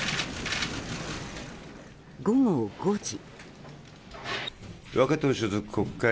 午後５時。